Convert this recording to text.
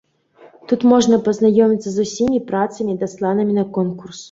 Тут можна пазнаёміцца з усімі працамі, дасланымі на конкурс.